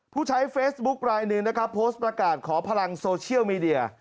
ผู้ใช้เฟซบุ๊คลายหนึ่งนะครับโพสต์ประกาศขอพลังโซเชียลมีเดีย